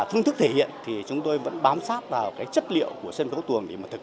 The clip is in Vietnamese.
phương thức thể hiện thì chúng tôi vẫn bám sát vào cái chất liệu của sân khấu tuồng để mà thực